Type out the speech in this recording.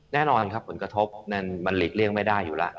แน่นอนครับผลกระทบนั้นมันหลีกเลี่ยงไม่ได้อยู่แล้ว